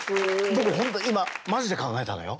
僕本当今マジで考えたのよ？